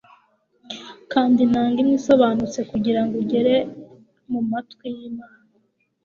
kanda inanga imwe isobanutse kugirango ugere mumatwi y'imana